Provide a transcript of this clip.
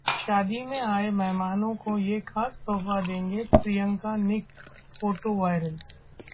शादी में आए मेहमानों को ये खास तोहफा देंगे प्रियंका-निक, Photo वायरल